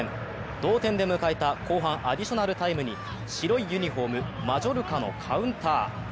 同点で迎えた後半アディショナルタイムに白いユニフォーム、マジョルカのカウンター。